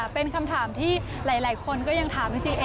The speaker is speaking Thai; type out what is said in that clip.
เป็นคำถามที่หลายคนก็ยังถามจริง